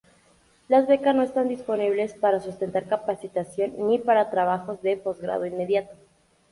Las becas no están disponibles para sustentar capacitación ni para trabajos de posgrado inmediato.